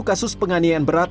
satu kasus penganiayaan berat